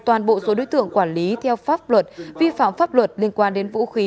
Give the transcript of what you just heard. toàn bộ số đối tượng quản lý theo pháp luật vi phạm pháp luật liên quan đến vũ khí